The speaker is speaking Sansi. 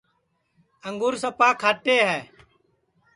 انگور سپا کھاٹے ہے